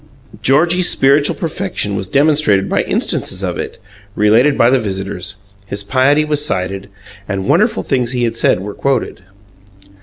Georgie's spiritual perfection was demonstrated by instances of it, related by the visitors; his piety was cited, and wonderful things he had said were quoted.